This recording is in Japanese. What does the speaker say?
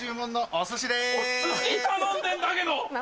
お寿司頼んでんだけど！